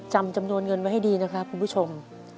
จำนวนเงินไว้ให้ดีนะครับคุณผู้ชม